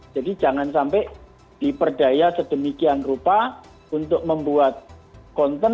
jadi jangan sampai diperdaya sedemikian rupa untuk membuat konten